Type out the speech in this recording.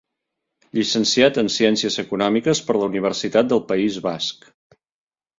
Llicenciat en Ciències Econòmiques per la Universitat del País Basc.